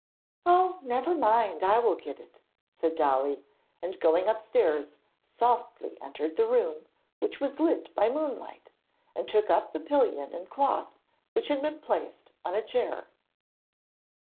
'Oh, never mind, I will get it!' said Dolly, and, going upstairs, softly entered the room, which was lit by moonlight, and took up the pillion and cloth, which had been placed on a chair.